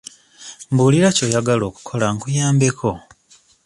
Mbuulira ky'oyagala okukola nkuyambeko.